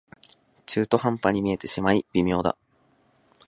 中途半端に見えてしまい微妙だ